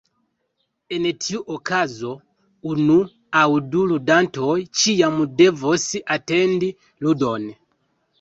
En tiu okazo, unu aŭ du ludantoj ĉiam devos atendi ludon.